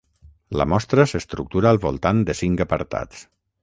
La mostra s’estructura al voltant de cinc apartats.